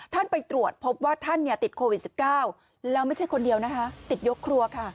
ไปตรวจพบว่าท่านติดโควิด๑๙แล้วไม่ใช่คนเดียวนะคะติดยกครัวค่ะ